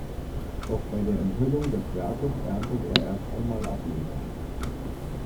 Doch bei der Enthüllung des Werkes erntet er erst einmal Ablehnung.